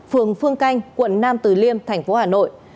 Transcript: phường phương canh quận nam từ liêm thành phố hà nội